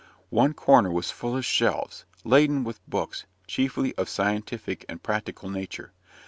One corner was full of shelves, laden with books, chiefly of a scientific and practical nature.